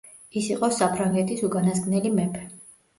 ის იყო საფრანგეთის უკანასკნელი მეფე.